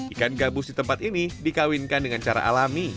ikan gabus di tempat ini dikawinkan dengan cara alami